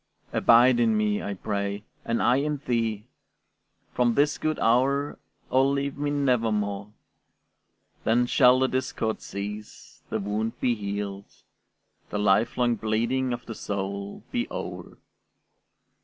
Abide in me, I pray, and I in thee; From this good hour, O leave me nevermore; Then shall the discord cease, the wound be healed, The lifelong bleeding of the soul be o'er.